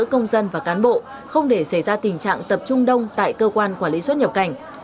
công dân và cán bộ không để xảy ra tình trạng tập trung đông tại cơ quan quản lý xuất nhập cảnh